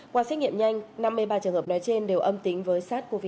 qua xét nghiệm nhanh năm mươi ba trường hợp nói trên đều âm tính với sars cov hai